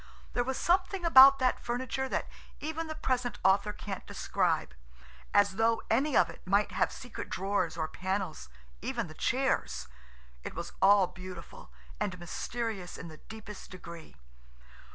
There was something about that furniture that even the present author can't describe–as though any of it might have secret drawers or panels–even the chairs. It was all beautiful, and mysterious in the deepest degree.